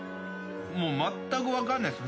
もうまったく分かんないです